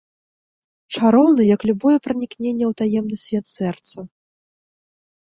Чароўны, як любое пранікненне ў таемны свет сэрца.